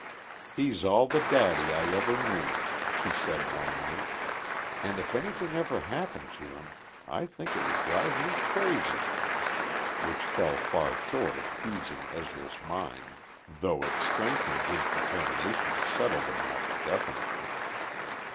"He's all the daddy I ever knew," she said one night, "and if anything ever happened to him I think it would drive me crazy," which fell far short of easing Ezra's mind, though it strengthened his determination to settle the matter definitely.